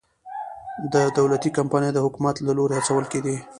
دولتي کمپنۍ د حکومت له لوري هڅول کېدې.